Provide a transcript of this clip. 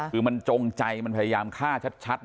คือมันจงใจมันพยายามฆ่าชัด